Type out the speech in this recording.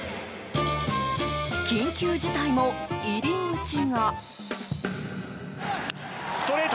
緊急事態も入り口が。